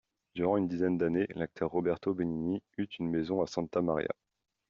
Durant une dizaine d'années, l'acteur Roberto Benigni eut une maison à Santa Maria.